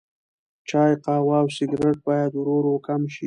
چای، قهوه او سګرټ باید ورو ورو کم شي.